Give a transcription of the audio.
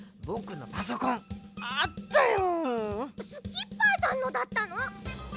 ぼくのパソコンあったよ！